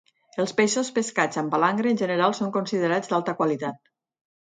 Els peixos pescats amb palangre en general són considerats d'alta qualitat.